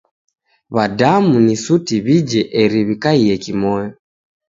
W'adamu ni suti w'ije eri w'ikaie kimoyo.